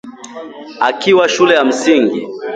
Akiwa shule ya msingi